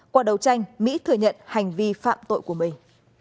qua đầu tranh mỹ thừa nhận hành vi phạm tội của mình